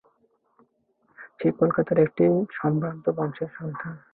সে কলিকাতার একটি সম্ভ্রান্ত বংশের সন্তান।